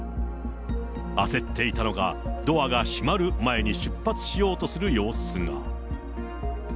焦っていたのか、ドアが閉まる前に出発しようとする様子が。